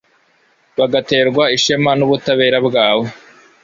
bagaterwa ishema n’ubutabera bwawe